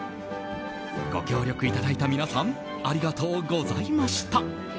ご協力いただいた皆さんありがとうございました。